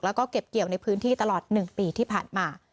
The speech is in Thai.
แล้วก็เก็บเกี่ยวในพื้นที่ตลอด๑ปีที่ผ่านมา